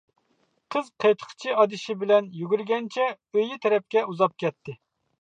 قىز قېتىقچى ئادىشى بىلەن يۈگۈرگەنچە ئۆيى تەرەپكە ئۇزاپ كەتتى.